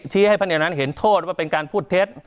ชี้ให้พระเจ้าเห็นโทษว่าเป็นการพูดเท็จ